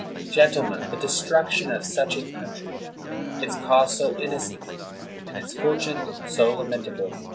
Gen tlemen, the destruction of such a country, its cause so innocent, and its fortune so lamenta ble!"